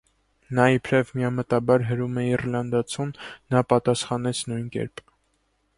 Նա իբրև թե միամտաբար հրում է իռլանդացուն, նա պատասխանեց նույն կերպ։